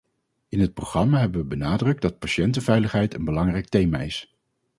In het programma hebben wij benadrukt dat patiëntenveiligheid een belangrijk thema is.